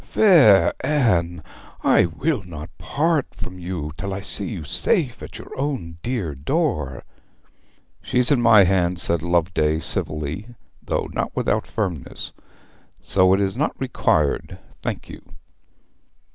'Fair Anne, I will not part from you till I see you safe at your own dear door.' 'She's in my hands,' said Loveday civilly, though not without firmness, 'so it is not required, thank you.'